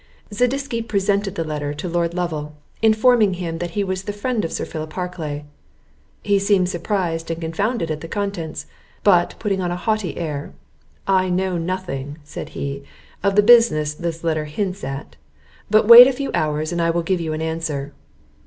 Zadisky presented the letter to Lord Lovel, informing him that he was the friend of Sir Philip Harclay. He seemed surprised and confounded at the contents; but, putting on an haughty air, "I know nothing," said he, "of the business this letter hints at; but wait a few hours, and I will give you an answer."